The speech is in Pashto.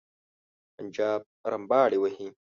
پنجاب رمباړې وهي.